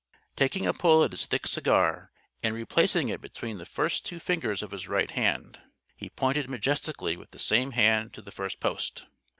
Taking a pull at his thick cigar, and replacing it between the first two fingers of his right hand, he pointed majestically with the same hand to the first post.